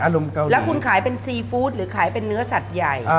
แล้วคุณขายเป็นซีฟู้ดหรือขายเป็นเนื้อสัตว์ใหญ่